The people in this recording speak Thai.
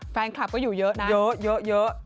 แฟนคลับก็อยู่เยอะนะเยอะ